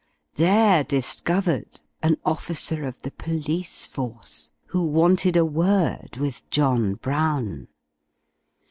There discovered an officer of the Police Force, who wanted a word with John Brown!